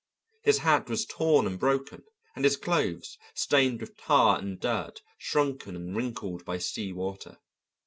His hat was torn and broken, and his clothes, stained with tar and dirt, shrunken and wrinkled by sea water.